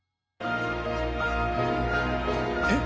えっ？